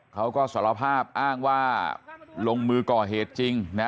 เขาก็สารภาพอ้างว่าลงมือก่อเหตุจริงนะ